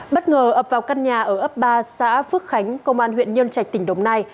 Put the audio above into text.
bất ngờ ập vào căn nhà ở ấp ba xã phước khánh công an huyện nhân trạch tỉnh đồng nai